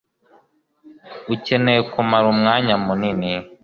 Ukeneye kumara umwanya munini